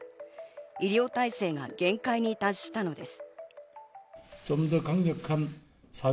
医療体制が限界に達したのです。